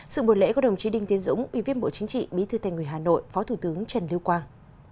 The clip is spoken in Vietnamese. sự buổi lễ của đồng chí đinh tiến dũng ủy viên bộ chính trị bí thư tài người hà nội phó thủ tướng trần lưu quang